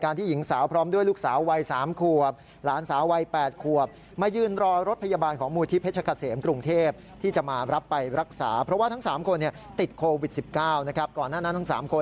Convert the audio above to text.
นี่แหละครับคุณผู้ชมหาเหตุการณ์ที่หญิงสาว